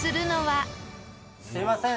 すみません。